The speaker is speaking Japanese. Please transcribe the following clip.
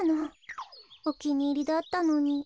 おきにいりだったのに。